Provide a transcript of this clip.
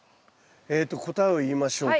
えと答えを言いましょうか。